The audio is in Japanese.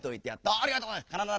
「ありがとうございます。